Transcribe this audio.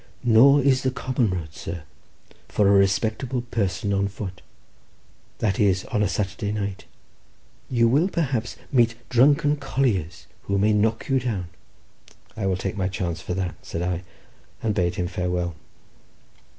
"Nor is the common road, sir, for a respectable person on foot; that is, on a Saturday night. You will perhaps meet drunken colliers, who may knock you down." "I will take my chance for that," said I, and bade him farewell.